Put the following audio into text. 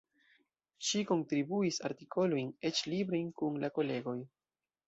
Ŝi kontribuis artikolojn, eĉ librojn kun la kolegoj.